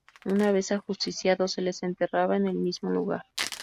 Una vez ajusticiados se les enterraba en el mismo lugar.